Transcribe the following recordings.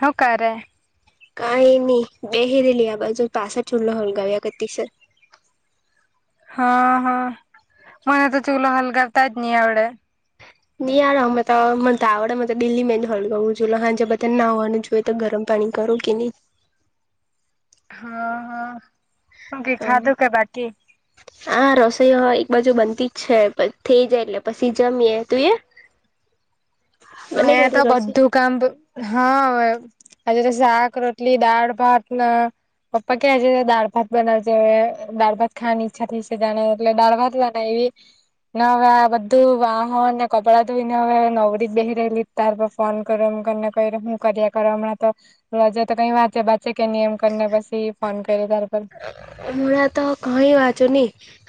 હું કરે? કઈ નહી બેહિ રેલી આ બાજુ પાછર ચુલા હોલગાવા કરતી સે. [unintelligible] હા હા મને તો ચૂલો હલગવતા જ ની આવડે. યાર હમને તો મન તો આવડે દિલ્હી મે ન હલગાવું છું એલે હાંજે બધને નાવાનું જોઈએ તો ગરમ પાણી કરો કે નહી. હા હા હુ કે ખાધું હા કે બાકી? આ રસોઈ હો એક બાજુ બનતી જ છે. થઈ જાય એટલે પછી જમીએ, તું એ? [unintelligible] બને મે તો ગયેલી રસોઈ? બધું કામ હા હવે આજે તો શાક, રોટલી, દાળ, ભાત ન પપ્પા ક્યા છે? દાળ ભાત બનાવજે હવે દાળ ભાત ખાવાની ઈચ્છા થઈ છે જાણે એટલે દાળ ભાત બના હવે આ બધું વાહન ને કપડા ધોઈ ન હવે નવ બેહી રેલી તાર પ ફોન કર્યો [inaudible] એમને ક હું કર્યા કર હમણાં તોજ તો કઈ વાંચે કે કે ની એમ કરને પછી ફોન કર્યો તાર ઉપર હુંમણા તો કઈ વાંચો ની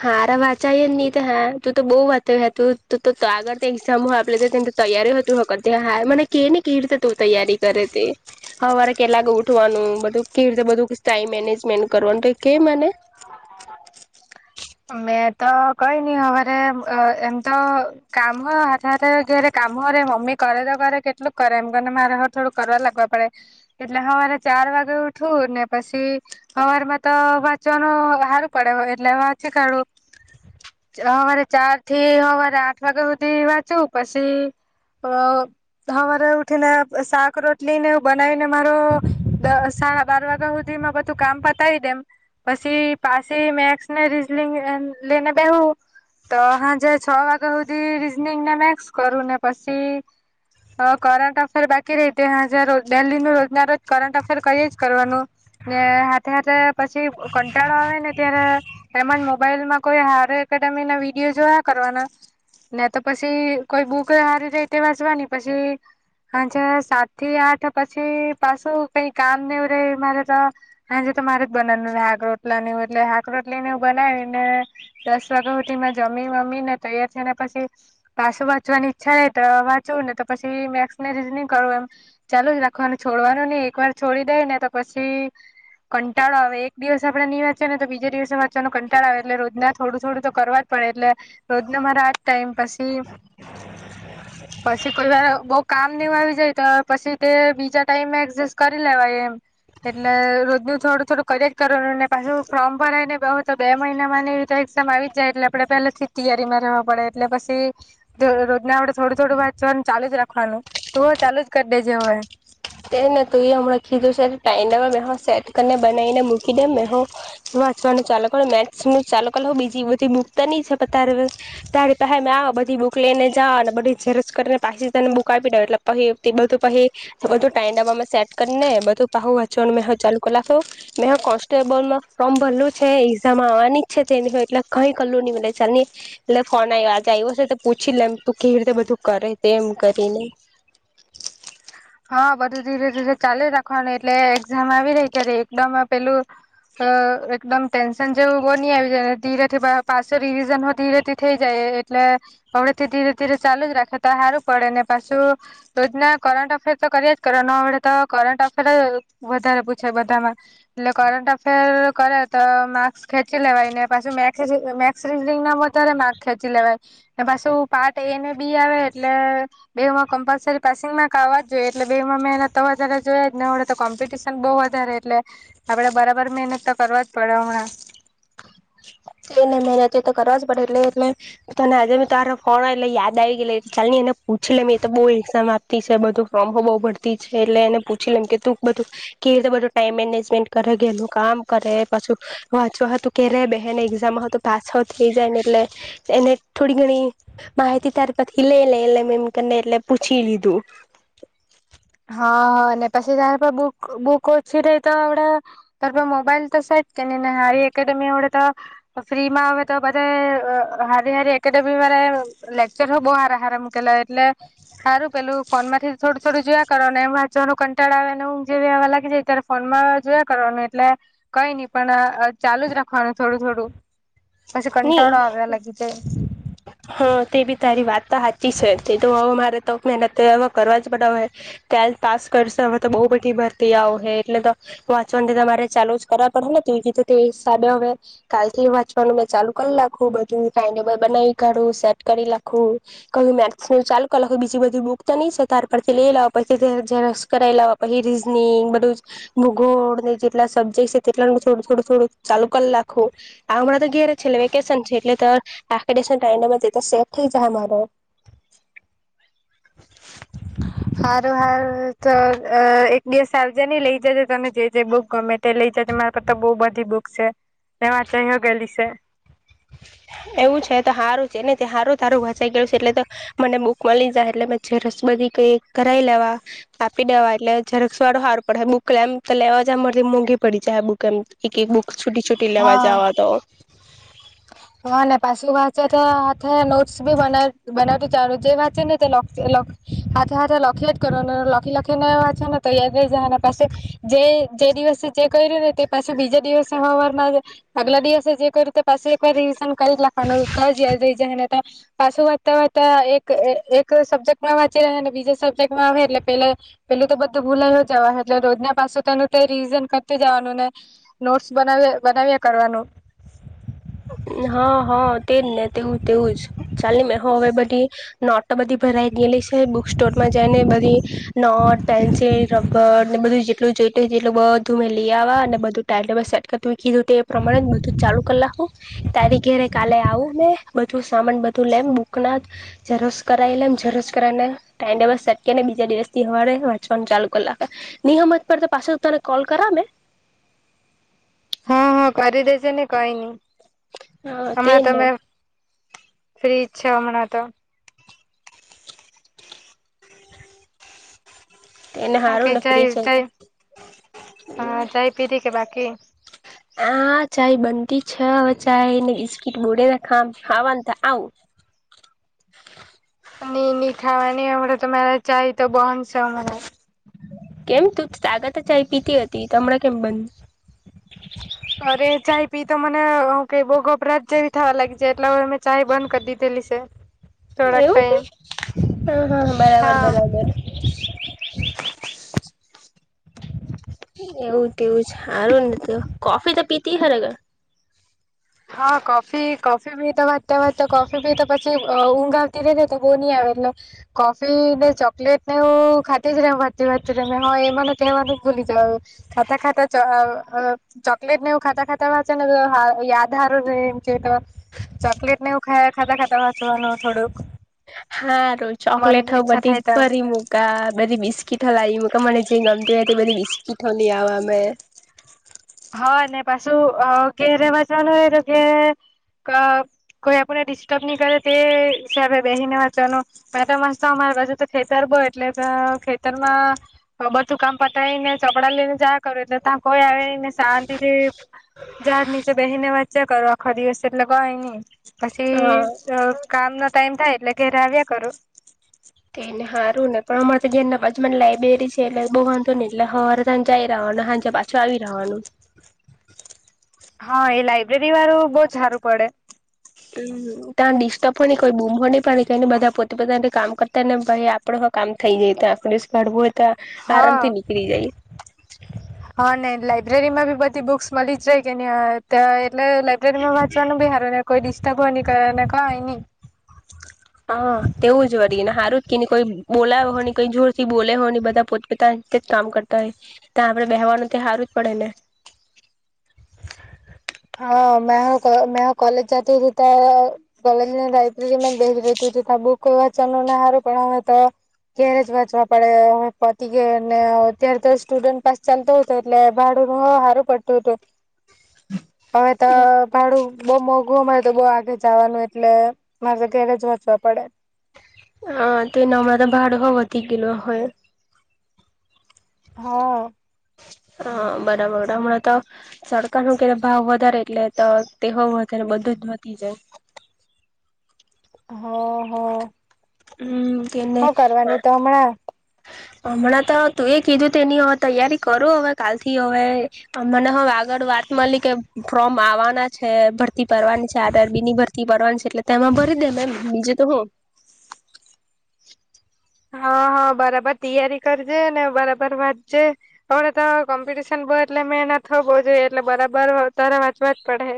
હારા વાંચાય જ ની તે હા તું તો બવ વાંચવ્યા તું તો તો આગળ એક્ઝામું આપલી તે તૈયારી હતી હુ કરતી હા મને કે ને કેવી રીતે તું તૈયારી કરે. તી હવારે કેલાક ઉઠવાનું બધું કેવી રીતે બધું ટાઈમ મેનેજમેન્ટ કરવાનું કે મને. મેં તો કઈ ની હવારે અ એમતો કામ હો હાથ રે હાથે ઘેરે કામ હો રે મમ્મી કરે તો કરે કેટલુંક કરે એમ કરને મારે હો થોડું કરવા લાગવા પડે એટલે હવે મારે ચાર વાગે ઉઠું ને પછી અવારમાં તો વાંચવાનું સારું પડે એટલે ચી કાઢું. સવારે ચાર થી સવારે આઠ વાગ્યા સુધી વાંચું પશી અ હવારે ઉઠી ને શાક રોટલી ને એવ બનાવીને મારો દસ સાડા બાર વાગ્યા સુધી માં બધું કામ પતાવી દેમ પછી પાછી મેસની રિ લેને બે હું તો હાજે છ વાગ્યા સુધી રીઝનિંગ ને મેક્સ કરું ને પછી હ કરંટ અફેર બાકી રેય તે હાજે રોજ દેહીનું રોજ ના રોજ કરંટ અફેર કરીએે જ કરવાનું. ને હાથે હાથે પછી કંટાળો આવે ને ત્યારે એમજ મોબાઈલ માં કોઈ હાર એકેડેમી ના વિડીયો જોયા કરવાના ને તો પછી કોઈ બુક સારી રે તે વાંચવાની પછી હાજે સાત થી આઠ પછી પાછું કઈ કામ ને એવ રે મારે તો મારે જ બનાવાનું હાક રોટલા ન એલે હાક રોટલી ને બનાવીને દસ વાગ્યા સુધી જમી વમી ને તૈયાર થયા ને પછી પાસુ વાંચવાની ઈચ્છા રે તો વાંચવું ને તો પછી મેસ ને રીજનિંગ કરવું એમ ચાલુ જ રાખવાને છોડવાનું ની એક વાર છોડી દે ને તો પછી કંટાળો આવે એક દિવસ આપડે હી વાંચી ને તો બીજા દિવસ તો વાંચવાનો કંટાડો આવે એટલે રોજ ના થોડું થોડું તો કરવા જ પડે એટલે રોજ ન મારા આજ ટાઈમ. પશી પછી કોઈ વાર બઉ કામ ની આવી જાય તો પછી તે બીજા ટાઈમે એડજસ્ટ કરી લેવાય એમ. એટલે રોજ નું થોડું થોડું કરેક કરવાનું ને પાછું ફોર્મ ભરાય ને તો બે મહિનામાં ની રતે એક્ઝામ આવી જાય એટલે આપડે પેલેથી જ તૈયારીમાં રહેવા પડે એટલે પછી રોજ ના આપડે થોડું થોડું વાંચવાનું ચાલુ જ રાખવાનું તો ચાલુ જ કરી દેજે હવે. તેને તું એ હમના ખીધું છે ટાઈ મેહ સેટ કરીને બનાવીને મૂકી દેમ મે હો. વાંચવાનું ચાલ કરું મેસ નું ચાલ કરલું બીજી બધી બુક તો ની છપતારું. તારી પાહે મે આવા થી બુક લઈને જવા અને બધી ઝરજ કરીને પાછી તન બુક આપી દે એટલે પછી બધું પહી બધું ટાઈમ ડબમે સેટ કરી ને બધું પહુ વાચો મે હુ ચાલુ કલ લખું મે કોન્સ્ટેબલમાં ફોમ ભરલું છે એઝામવાની જ છે તેની હોય એટલે કઈ કરલું નઈટલે ચાલ એટલે ફોન આવી આજે તો પૂછી લેમ તું કેવી રીતે બધું કરે તેમમ કરીને. હા બધું ધીરે ધીરે ચાલે રાખવાનું એટલે એક્ઝામ આવી રહી ત્યારે એકદમ પેલું. અ એકદમ ટેન્શન જેવું બની આવી જાય ધીરેથી પાસે રિવિઝન ધીરેથી થઇ જાય. એટલે હવેથી ધીરે ધીરે ચાલુ જ રાખે તો સારું પડે ને પાછું રોજના કરટ અફે તો કરીએ જ કરે ન આ વડે તો કરંટ અફેર વધારે પૂછે, બધામાં એટલે કરંટ અફેર કરે તો માર્ક્સ ખેચી લેવાય ને પાછું મે મે રીંગ ના વધારે માર્ક્સ ખેચી લેવાય. ને પાછું પાર્ટ એ ને બી આવે એટલે બેમાં કમ્પલસરી પાસિંગ માક જો એટલે બે માં મહેનત તો વધારે જોઈ જનેડે તો કોમ્પિટિશન બહુ વધારે એટલે આપડે બરાબર મ તો કરવા જ પડે હમણાં. [inaudible] એને મહેનત તો કરવા જ પડે એટલે એટલે તને આજે તારો ફોન એટલે યાદ આવી ગયેલે ચાલની એને પૂછી લેમ એ તો બહુ એક્ઝામ આપતી છે બધુ ફોર્મો બહુ ભરતી છે, એટલે એને પૂછી લેમ કે તું બધું કે કેવી રીતે બધું ટાઈમ મેનેજમેન્ટ કરે ઘેર નું કામ કરે પાછું વાંચવા હતું કેરે બેહે એક્ઝામ તો પાસ આઉટ થઈ જાય ને એટલે એને થોડી ઘણી માહિતી ત્યારે પથી લે લેમ એટલે મેં એમને એટલે પૂછી લીધું. હા ને પસી તારા બુક બુક ઓછી રહે તો આવડે તાર મોબાઈલ તો સ કે ની ને હારી એકેડેમી અવડે તો ફ્રી માં આવે તો બધાએ અ હારી હારી એકેડેમી દ્વારા લેકચર હો બો હાર-હાર મુકેલા એટલે હારું પેલું ફોન માથી થોડું થોડું જોયા કરો ને વા ચવાનું કંટાળ આવે ને ઉંધ જેવી આવા લાગી જાય ત્યારે ફોન માં જોયા કરવાનું એટલે કઈ ની પણ-અ ચાલુ જ રાખવાનું થોડું થોડું પછી ની કંટાળો આવ્યા લાગી જાય. હા તે બી તારી વાત તો હાચી છે તે તો હવે મારે તો મહેનત હવે કરવા જ પડવે. ટ્વેંલ્થ પાસ કરશે હવે તો બઉ બધી ભરતી આવ હે એટલે તો વાંચવાન થી તમારે ચાલુ જ કરવા પડેહેને. તે કીધું હતું તે હિસાબે હવે કાલથી વાંચવાનું મેં ચાલુ કલખુ બધું ટાઈમટેબલ બનાઈ કરું સેટ કરી લાખું કલ મેક્સ નું ચાલુ કર લાખું બીજી બધી બુકસ તો ની છે તારા પરથી લે લઉં. પછી [unintelligible] ઝેરોક્ષ કરાઈ લેહ પહી રીઝનિંગ બધું ભૂગોળને જેટલા સબ્જેક્ટ છે તેટલા ન થોડું થોડું થોડું ચાલુ કલ્લાખું આમાતો ક્યારે છેલ્લે વેકેશન છે, એટલે તરત [unintelligible] ટાઈમ ને બધું તો સેટ થઈ જાહે મારું. હારું હાર તો અ એક-બે [unintelligible] લઈ જજે તને જે-જે બુક બહુ ગમે તે લઈ જજે મારા કરત બહુ બધી બુક સે ને વાંચાઈ હગેલી સે. [inaudible] એવું છે તો હારું છે ને હારું તારું વાચાઈ ગયું સે એટલે તો મને બુક મળી જાય એટલે મે [unintelligible] રિકૈક કરાઈ લેવા આપી દેવા એટલે ઝેરોક્ષ વાળો હારું પડેહ બુક લેમ તો લેવા જ [unintelligible] મોંઘી પડી જાહે બુક એમ એક એક બુક છૂટી છૂટી લેવા હા જાવા તો. હા ને પાશુ વાત [unintelligible] હાથે નોટસ બી બનાયુ બનાવતી ચારો જે વાચે ને તે લખ લખ હાથે હાથે લખ ખ્યાં જ કરો ને લખી-લખીને વાંચો ને તો યાદ રહી જાહે ને પસી જે જે દિવસે જે કર્યું ને તે પાછું બીજા દિવસે હવાર માજ આગલા દિવસે જે કર્યુ તે પાસુ એક વાર રિવઝન કરી લાખવાનું તોજ યાદ રહી જાહે નેતો પાસુ વાત્તાવાત્તા એક એ એક સબ્જેક્ટમાં વાંચી લેવાનું બીજા સબ્જેક્ટમાં આવે એટલે પેલા પેલું તો બધું ભુલાઈ જ જવા હે જ એટલે રોજના વા સો તેનું તે રીઝન કરતુ જવાનું ને નોટસ બનાવ્યા-બનાવ્યા કરવાનું. હા હા તેજને તેવું તેવું જ ચાલી મેહો હવે બધી નોટ બધી ભરાઈ ગયેલી સે બુક સ્ટોટમાં જઈ ને બધી નોટ, પેન્સિલ, રબર ને બધું જેટલું જ જેટ જેટલું બધું મેં લી આવા અને બધું ટાઈમટેબલ સેટ કરતુ કીધું તે પ્રમાણે જ બધું ચાલુ કલાખ તારી ઘેરે કાલે આવું મે બધું સામાન બધું લેમ બુક ના ઝેરોક્ષ કરાય લેમ જેરોસ કરાના ટાઈમ ટેબલ સેટ કેને ને બીજા દિવસથી હવારે વાંચવાનું ચાલુ કલ્લાખ નિ હમજ પડ પાછુ તને કોલ કર મે? હા-હા કરી દેજેને કઈ ની. હા તેને. ફ્રિજ છ હમણા તો. તેને હ હારું ને કઈ ફ્રી ચાય છે ચાય તો હ ચાય પીધી કે બાકી? આ ચાય બનતી છ હવે ચાય ને બિસ્કીટ બોડેના [unintelligible] ખાવા ત આવું. અને ની ખાવાની હમણા તો માર ચાય તો બન છે હમડે. કેમ તું તાગતે ચાય પીતી હતી તમણા કેમ બન? અરે ચાય પી તો મને હુંકે બો ગોપરાજ જેવી થવા લાગી છે એટલ [unintelligible] ચાય બંધ કરી દીધેલી સે. એવું કે હ-હ-હ હા બરાબર-બરાબર. [inaudible] એવું તેવું જ હારું ને તો કોફી તો પીતી? [inaudible] હા કોફી કોફી પી તો વાતા વાતા કોફી પી તો પછી અ ઊંઘ આવતી રે તો બોની આવે એટલે કોફી ને ચોકલેટ ને એવું ખાતી જ રમ વાતી-વાતી [unintelligible] હ એમને કેવાનું ભૂલી જઉ ખાતા-ખાતા ચ-અ-અ ચોકલેટ ને એવુ ખાતા ખાતા વાચે ને તો [unintelligible] ધારુને એમ કે ચકલેટ ને એવુ ખા-ખાતા-ખાતા વાચવાનું થોડુંક. હારુ મન ચોકલેટ હ ઈચ્છા બધી થાય તો ભરી મૂકા બધી બિસ્કીટ હ લાવી બકા મને જે ગમે તે-તે પેલી બસ્કીટ હલી આવામે. હા અનેને પાછું કે રવા જવાનું હોય તો કે કોઈ આપણને ડિસ્ટર્બ નહી કરે તે હિસાબે બેહી ને વાંચવાનું. મે તો મસ્ત આમા હજ તો ખેતર બો એટલે ખેતરમાં બધું કામ પતાવી ને ચોપડા લઈને જાયા કરો એટલે તા કોઈ આવેને શાંતિથી જત નીચે બેહીને વાંચીયા કરુ આખો દિવસે એટલે કય નહી હા પછી કામ નો ટાઈમ થાય એટલે ઘેરે આવીયા કરું. તેને સારું ને પણ અમારે તો ધ્યાના પાંચમાં લાઈબ્રેરી છે એટલે બહુ વાંધો નહી એટલે હરે તને જઈ રહ્યો ને સાંજે પાછો આવી રહ્યો ને. હમ. હા એ લાઈબ્રેરી વાળું બહ સારું પડે. હમ ત્યાં ડિસ્ટર્બ પણ કોઈ બૂમો પણને બધા પોતે પોતા કામ કરતા ને ભાઈ આપડો કામ થઈ જાય. ત્યા આંખરેસ પાડવું હોય તો હા આરામથી નીકળી જાય. લાબ્રેરીમાં બી બધી બુક્સ મળી જાય કે નહી એટલે લાાઈબ્રેરી માં વાંચવાનો બી હારુને કોઈ ડિસ્ટર્બ હોની કરે ને કાઈ ની. [unintelligible] હ તેવું જ વળીને હારું જ કે કોઈ બોલા હો કોઈ જોર થી બોલે હો બધા પોતપતા કામ કરતા હોય ત્યાં આપડણે બેહેવાનું ત્યા હારવું જ પડે ને. હા મે હો મે હો કોલેજ જાતી તો કલેજ લાયબ્રેરીમાં [unintelligible] જો તા બુકઈ વાચન નને સારું પણે તો ક્યારે જ વાંચવા પડે પતી ગયાને. અત્યારે તો સ્ટુડન્ટ પાસ ચાલતો હતો એટલે હ હારું પડતું હતું. હમ. તમે તો ભાડું બઉુ મોંઘુંમારે તો બઉુ આગે જવાનું એટલે મારે ઘેરે જ વચવા પડે. હ તેના માટે ભાડું વધી ગેલુ હોય. હા. હા બરાબર હમણાં તો સરકાર ન ક ભાવ વધારે એટલે તો તેહો વધારે બધું જ વધી જાય. હા હા. હમ કેને હમણાં હમણાં તો તું એ કીધું તેની હવે તૈયારી કરું હવે કાલથી હવે [unintelligible] આગળ વાત મળ કે ફ્રોમ આવવાના છે. ભરતી પરની છે આધર બી ની ભરતી પરની છે એટલે તેમાં ભરી દેમ એમ બીજું તો હું. હા હ બરાબર તિયારી કરજે ને બરાબર વાંચજે. હવે તો કોમ્પિટીશન બ એટલે મેહેનત થ બો જોઈએ એટલે બરાબર તારા વાંચવા જ પડ હે.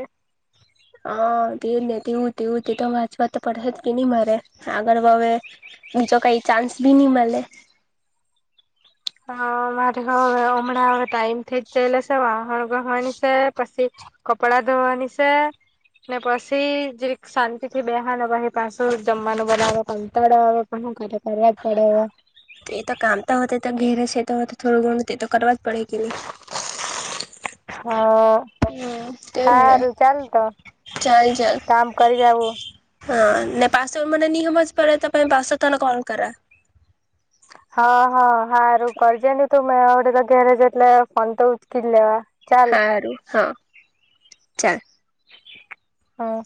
[inaudible] હા તેનેવુંવું તો વાચ વાત તો પડશે જ કે નહી મારે આગળ હવે બીજા કઈ ચાન્સ બી ની મલે હા મારે હવે હમણાં હવે ટાઈમ થઇ જેલો શે વાહણ ગહવાની શે પછી કપડા ધોવાની શે ને પછી જીરીક શાંતિ થી બેહવાનુ પહી પાછું જમવાનું બનાવે કંતાળ આવે પણ હું કરે કરવા જ પડે હવે તે તો કામતા હો તો ઘેરે છે તો થોડું ઘણું તે તો કરવા પડે કેની હ ને હારું ચાલતો ચાલ ચાલ કામ કરી જવું હા ને પાસો એ મને ની હમજ પડે પહી પાસો તને કોલ કરા [inaudible] હા હા હારું કરીજે ને તું મે તો ઘેરે જ એટલે ફોન તો ઉંચકી જ લેવા ચાલ હારું હા ચાલ હા